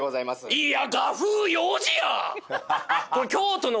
いや